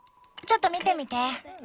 ちょっと見てみて。